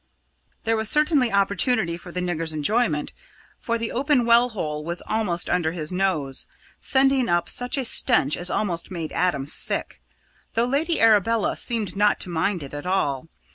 There was certainly opportunity for the nigger's enjoyment, for the open well hole was almost under his nose, sending up such a stench as almost made Adam sick, though Lady Arabella seemed not to mind it at all.